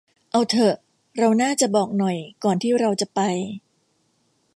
เอาเถอะ เราน่าจะบอกหน่อยก่อนที่เราจะไป